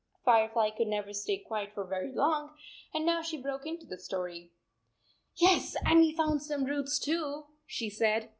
Firefly could never stay quiet for very long and now she broke into the story. "Yes, and we found some roots, too," she said.